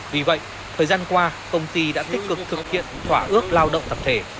vì vậy thời gian qua công ty đã tích cực thực hiện thỏa ước lao động tập thể